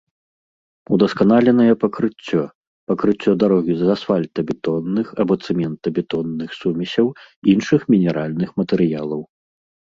Удасканаленае пакрыццё — пакрыццё дарогі з асфальтабетонных або цэментабетонных сумесяў, іншых мінеральных матэрыялаў